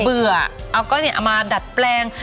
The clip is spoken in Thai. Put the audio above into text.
เบื่อเอาก้อนเอามาดัดแปลง